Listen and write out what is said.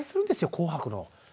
「紅白」の。